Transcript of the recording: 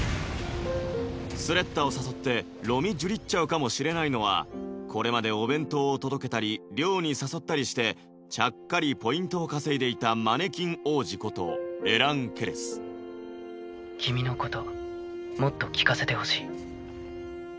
スレッタを誘ってロミジュリっちゃうかもしれないのはこれまでお弁当を届けたり寮に誘ったりしてちゃっかりポイントを稼いでいたマネキン王子ことエラン・ケレス君のこともっと聞かせてほしい。